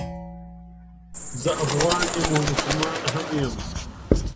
زه افغان یم او مسلمان هم یم